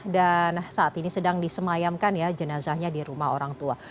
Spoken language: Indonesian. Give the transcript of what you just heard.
dan saat ini sedang disemayamkan ya jenazahnya di rumah orang tua